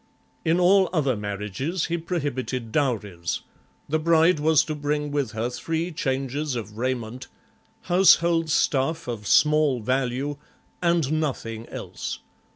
In all other marriages he prohibited dowries; the bride was to bring with her three changes of raiment, household stuffof small value, and nothing else.